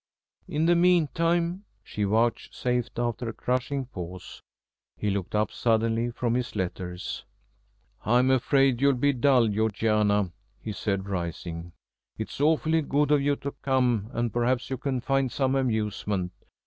"In the meantime " she vouchsafed after a crushing pause. He looked up suddenly from his letters. "I'm afraid you'll be dull, Georgiana," he said, rising. "It's awfully good of you to come, and perhaps you can find some amusement.